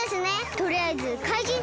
とりあえずかいじん